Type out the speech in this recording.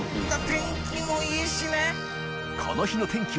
天気もいいしね。